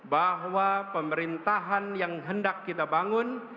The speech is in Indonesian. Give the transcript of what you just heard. bahwa pemerintahan yang hendak kita bangun